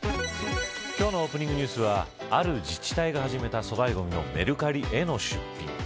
今日のオープニングニュースはある自治体が始めた粗大ゴミのメルカリへの出品。